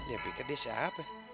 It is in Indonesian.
ya pikir dia siapa